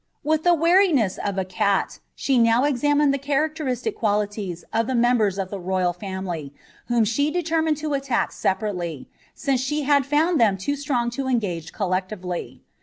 With the wariness of a cat, she now examined the characteristic qualities of the members of the royal family, whom she determined to attack separately, since she had found them too strong to engage collectively.